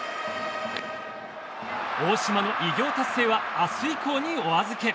大島の偉業達成は明日以降にお預け。